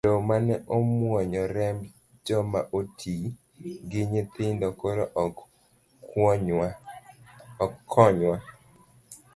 Loo mane omuonyo remb joma oti gi nyithindo, koro ok konywa.